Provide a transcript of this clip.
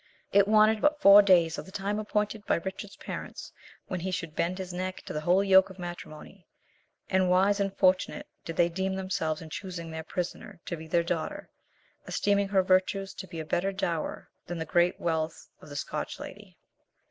It wanted but four days of the time appointed by Richard's parents when he should bend his neck to the holy yoke of matrimony; and wise and fortunate did they deem themselves in choosing their prisoner to be their daughter, esteeming her virtues to be a better dower than the great wealth of the Scotch lady.